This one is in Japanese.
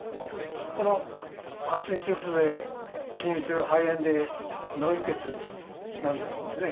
この発疹チフスに起因する肺炎で脳いっ血なんていうのもですね。